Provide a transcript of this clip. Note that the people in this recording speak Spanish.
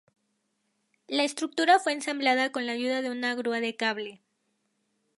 La estructura fue ensamblada con la ayuda de una grúa de cable..